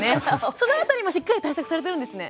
その辺りもしっかり対策されてるんですね。